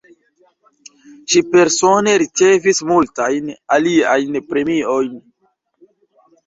Ŝi persone ricevis multajn aliajn premiojn.